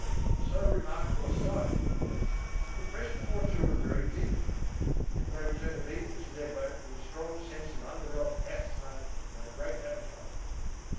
So remarkable a sight, of course, impressed the four children very deeply; and they returned immediately to their boat with a strong sense of undeveloped asthma and a great appetite.